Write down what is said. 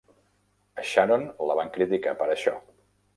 A Sharon la van criticar per això.